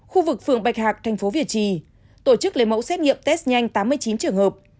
khu vực phường bạch hạc tp việt trì tổ chức lấy mẫu xét nghiệm test nhanh tám mươi chín trường hợp